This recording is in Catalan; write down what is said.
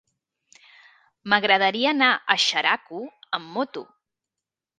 M'agradaria anar a Xeraco amb moto.